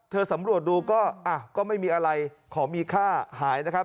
เธอสำรวจดูก็อ่ะก็ไม่มีอะไรขอมีค่าหายนะครับ